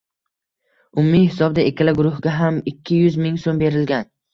Umumiy hisobda ikkala guruhga ham ikki yuz ming so’m berilgan.